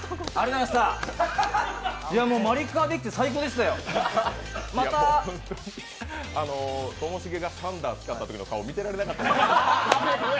「マリカー」できて最高でしたよ、またともしげがサンダー使ったときの顔、見てられなかった。